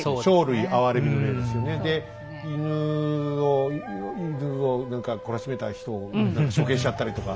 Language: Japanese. で犬を何か懲らしめた人を処刑しちゃったりとか。